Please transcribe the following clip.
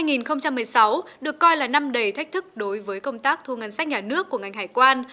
năm hai nghìn một mươi sáu được coi là năm đầy thách thức đối với công tác thu ngân sách nhà nước của ngành hải quan